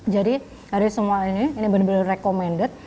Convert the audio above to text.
jadi dari semua ini ini benar benar recommended